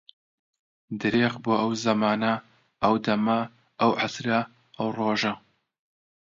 درێخ بۆ ئەو زەمانە، ئەو دەمە، ئەو عەسرە، ئەو ڕۆژە